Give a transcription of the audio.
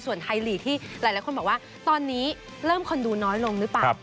ส่วนไทยลีกที่หลายคนบอกว่าตอนนี้เริ่มคนดูน้อยลงหรือเปล่า